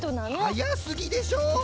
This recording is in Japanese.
はやすぎでしょ